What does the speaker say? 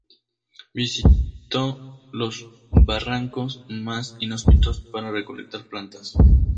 Visitó los barrancos más inhóspitos para recolectar plantas.